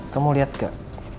kamu lihat gak